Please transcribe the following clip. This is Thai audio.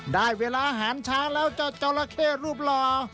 ได้เวลาอาหารเช้าแล้วเจ้าจราเข้รูปหล่อ